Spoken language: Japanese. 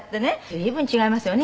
随分違いますよね